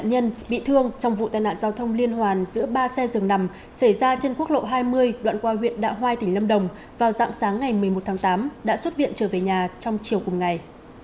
nạn nhân bị thương trong vụ tai nạn giao thông liên hoàn giữa ba xe dừng nằm xảy ra trên quốc lộ hai mươi đoạn qua huyện đạ hoai tỉnh lâm đồng vào dạng sáng ngày một mươi một tháng tám đã xuất viện trở về nhà trong chiều cùng ngày